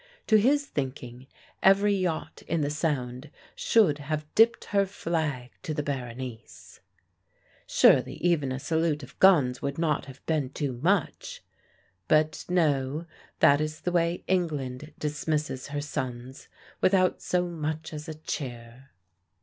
To his thinking every yacht in the Sound should have dipped her flag to the Berenice. Surely even a salute of guns would not have been too much. But no: that is the way England dismisses her sons, without so much as a cheer!